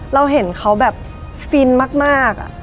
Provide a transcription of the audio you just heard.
เราเห็นเขาแบบฟินมาก